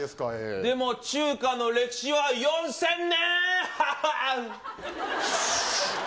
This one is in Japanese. でも、中華の歴史は４０００年。